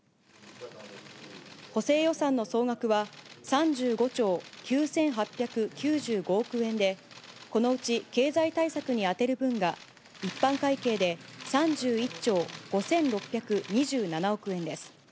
補正予算の総額は、３５兆９８９５億円で、このうち経済対策に充てる分が一般会計で、３１兆５６２７億円です。